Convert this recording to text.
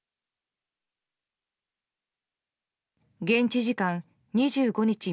現地時間２５日